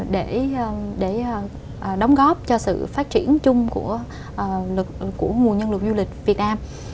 để đóng góp cho sự phát triển chung của nguồn nhân lực du lịch việt nam